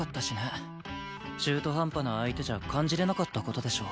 中途半端な相手じゃ感じれなかった事でしょ。